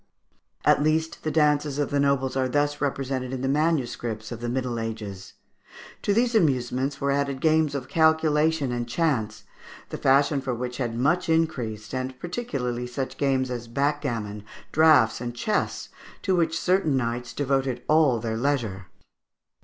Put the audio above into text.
At least the dances of the nobles are thus represented in the MSS. of the Middle Ages. To these amusements were added games of calculation and chance, the fashion for which had much increased, and particularly such games as backgammon, draughts, and chess, to which certain knights devoted all their leisure.